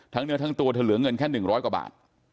ทั้งเนื้อทั้งตัวเธอเหลือเงินแค่หนึ่งร้อยกว่าบาท